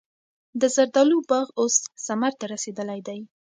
د زردالو باغ اوس ثمر ته رسېدلی دی.